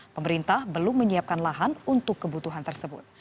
pemerintah belum menyiapkan lahan untuk kebutuhan tersebut